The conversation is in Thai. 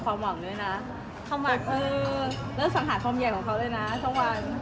แล้วสังหารความใหญ่ของเขาเลยนะทั้งวัน